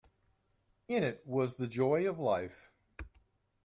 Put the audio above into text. In it was the joy of life.